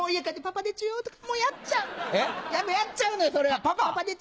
やっちゃうのよそれは。